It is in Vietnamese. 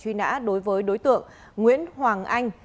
truy nã đối với đối tượng nguyễn hoàng anh